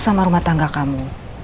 sama rumah tangga kamu